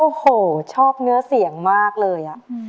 โอ้โหชอบเนื้อเสียงมากเลย